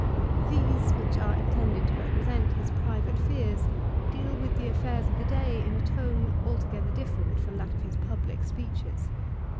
These, which are intended to represent his private fears, deal with the affairs of the day in a tone altogether different from that of his public speeches.